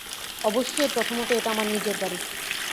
অবশ্যই, প্রথমত এটা আমার নিজের বাড়ি।